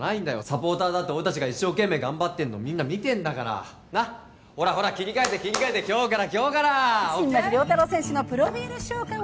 サポーターだって俺達が一生懸命頑張ってんのみんな見てんだからなっほらほら切り替えて切り替えて今日から今日から新町亮太郎選手のプロフィール紹介！